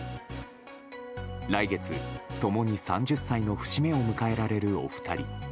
来月、共に３０歳の節目を迎えられるお二人。